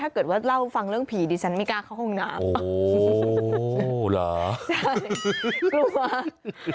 ถ้าเกิดว่าเล่าฟังเรื่องผีดิฉันไม่กล้าเข้าห้องน้ำละแจ๊บ